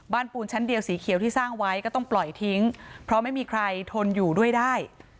ปูนชั้นเดียวสีเขียวที่สร้างไว้ก็ต้องปล่อยทิ้งเพราะไม่มีใครทนอยู่ด้วยได้